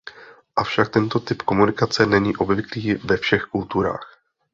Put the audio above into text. Avšak tento typ komunikace není obvyklý ve všech kulturách.